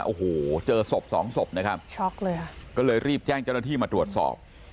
โอ้โหเจอศพ๒ศพนะครับก็เลยรีบแจ้งเจ้าหน้าที่มาตรวจสอบ